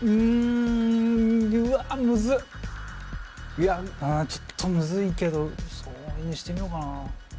いやちょっとむずいけどそれにしてみようかな。